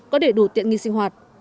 có đầy đủ tiện nghi sinh hoạt